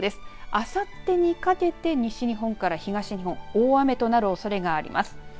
あさってにかけて西日本から東日本、大雨となるおそれがあります。